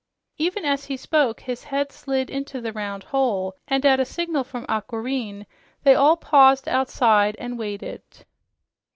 Even as he spoke, his head slid into the round hole, and at a signal from Aquareine they all paused outside and waited.